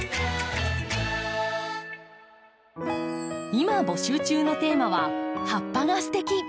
今募集中のテーマは「葉っぱがステキ！」。